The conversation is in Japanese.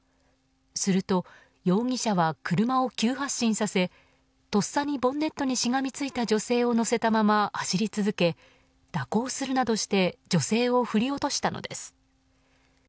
すると、容疑者は車を急発進させとっさにボンネットにしがみついた女性を乗せたまま走り続け、蛇行するなどして女性を振り落としたのです。